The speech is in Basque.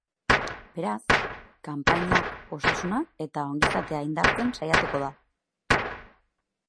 Beraz, kanpainiak osasuna eta ongizatea indartzen saiatuko da.